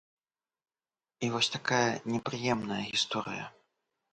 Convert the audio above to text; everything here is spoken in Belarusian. І вось такая непрыемная гісторыя.